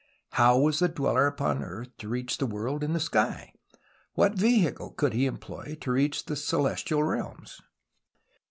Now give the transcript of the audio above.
How was the dweller upon earth to reach the world in the sky ? What vehicle could he employ to reacli the celestial realms